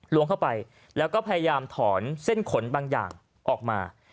ล้วงเข้าไปแล้วก็พยายามถอนเส้นขนบางอย่างออกมา